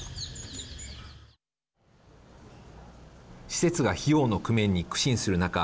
施設が費用の工面に苦心する中